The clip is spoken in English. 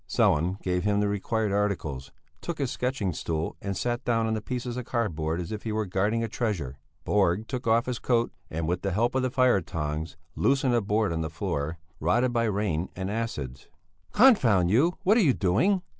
Sellén gave him the required articles, took his sketching stool and sat down on the pieces of cardboard as if he were guarding a treasure. Borg took off his coat, and with the help of the fire tongs loosened a board in the floor, rotted by rain and acids. "Confound you! What are you doing?"